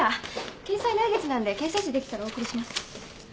掲載来月なんで掲載誌できたらお送りします。